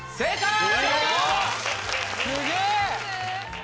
正解！